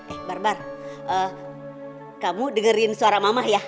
eh barbar kamu dengerin suara mama ya